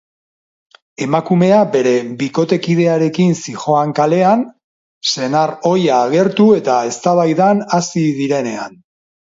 Emakumea bere bikotekidearekin zihoan kalean, senar ohia agertu eta eztabaidan hasi direnenan.